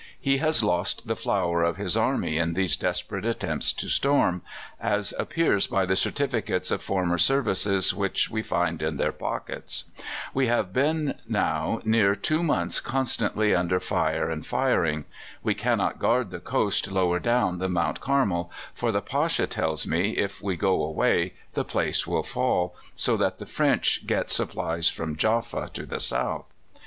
He has lost the flower of his army in these desperate attempts to storm, as appears by the certificates of former services which we find in their pockets. We have been now near two months constantly under fire and firing. We cannot guard the coast lower down than Mount Carmel, for the Pasha tells me, if we go away, the place will fall, so that the French get supplies from Jaffa to the south.